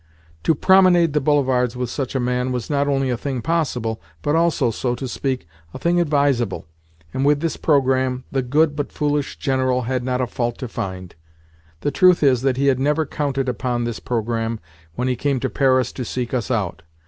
To promenade the Boulevards with such a man was not only a thing possible, but also, so to speak, a thing advisable, and with this programme the good but foolish General had not a fault to find. The truth is that he had never counted upon this programme when he came to Paris to seek us out.